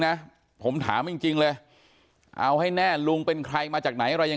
นะผมถามจริงจริงเลยเอาให้แน่ลุงเป็นใครมาจากไหนอะไรยัง